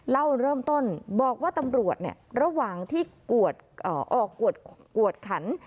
เล่าเริ่มต้นบอกว่าตำรวจระหว่างที่ออกกวดขัน